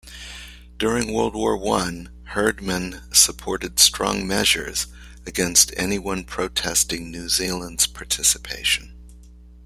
During World War One, Herdman supported strong measures against anyone protesting New Zealand's participation.